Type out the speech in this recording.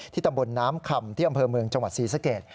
ตำบลน้ำคำที่อำเภอเมืองจังหวัดศรีสเกต